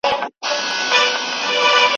موږ څنګه پرمختګ کولای سو؟